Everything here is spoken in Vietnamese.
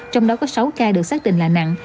trong đó có sáu ca được xác định là nặng